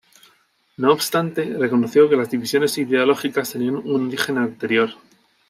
No obstante, reconoció que las divisiones ideológicas tenían un origen anterior.